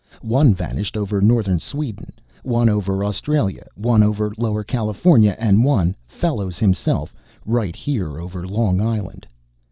"One vanished over northern Sweden, one over Australia, one over Lower California, and one, Fellows, himself, right here over Long Island.